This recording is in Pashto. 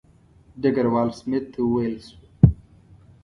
ډګروال سمیت ته وویل شو.